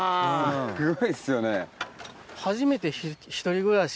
ヤバいっすよね。